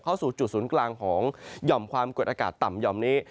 เข้าสู่จุดศูนย์กลางของหย่อมความกดอากาศต่ำหย่อมนี้